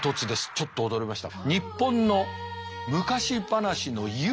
ちょっと驚きました。